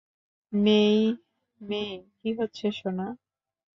মেই-মেই, কী হচ্ছে সোনা?